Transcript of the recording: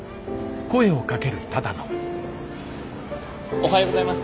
おはようございます。